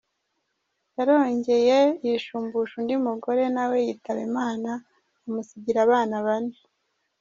Yarongeye yishumbusha undi mugore nawe yitaba Imana amusigiye Abana bane.